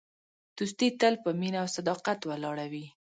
دوستي تل په مینه او صداقت ولاړه وي.